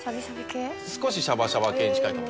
少しシャバシャバ系に近いかも。